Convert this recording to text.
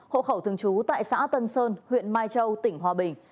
hộ khẩu thường trú tại xã tân sơn huyện mai châu tỉnh hòa bình